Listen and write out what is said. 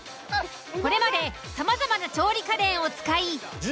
これまでさまざまな調理家電を使い。